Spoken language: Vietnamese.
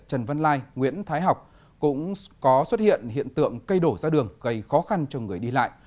trần văn lai nguyễn thái học cũng có xuất hiện hiện tượng cây đổ ra đường gây khó khăn cho người đi lại